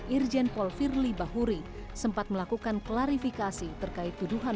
irjen pol firly bahuri sempat melakukan klarifikasi terhadap penyelidikan